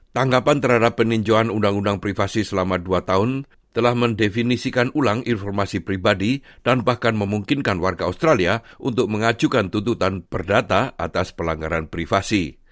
tanggapan terhadap peninjauan undang undang privasi selama dua tahun telah mendefinisikan ulang informasi pribadi dan bahkan memungkinkan warga australia untuk mengajukan tuntutan perdata atas pelanggaran privasi